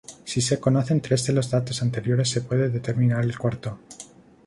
Si se conocen tres de los datos anteriores se puede determinar el cuarto.